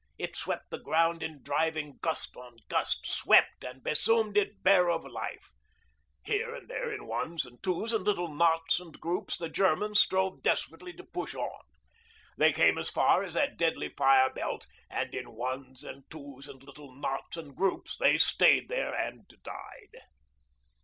It swept the ground in driving gust on gust, swept and besomed it bare of life. Here and there, in ones and twos and little knots and groups, the Germans strove desperately to push on. They came as far as that deadly fire belt; and in ones and twos and little knots and groups they stayed there and died.